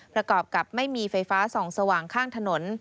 ประกอบกับไม่มีไฟฟ้าส่องสว่างข้างถนน